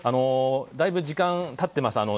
だいぶ時間が経っています。